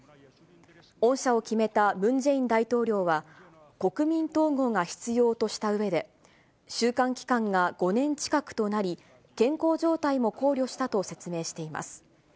恩赦を決めたムン・ジェイン大統領は、国民統合が必要としたうえで、収監期間が５年近くとなり、健康状態も考慮したと説明しています。